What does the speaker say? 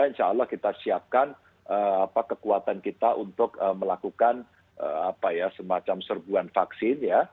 insya allah kita siapkan kekuatan kita untuk melakukan semacam serbuan vaksin ya